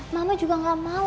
mama juga gak mau